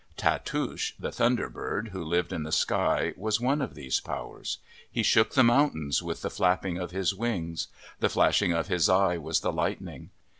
Tatoosh, the Thunder Bird who lived in the sky, was one of these Powers. He shook the mountains with the flapping , of his , wings. The flashing of his eye was the lightning.